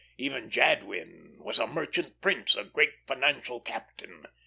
Even Jadwin was a merchant prince, a great financial captain.